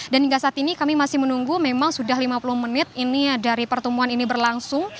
dan hingga saat ini kami masih menunggu memang sudah lima puluh menit ini dari pertemuan ini berlangsung